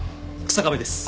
日下部です